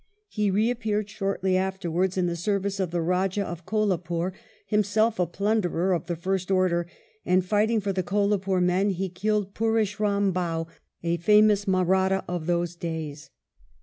He reappeared shortly afterwards in the service of the Rajah of Kolapore, himself a plunderer of the first order, and, fighting for the Kolapore men, he killed Pureshram Bhow, a famous Mahratta of those days.